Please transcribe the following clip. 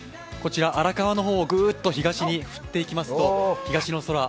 こちら荒川の方をぐっと東に振っていきますと東の空